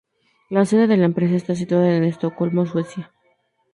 La sede de la empresa está situada en Estocolmo, Suecia.